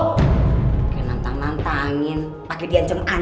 katame universal dulu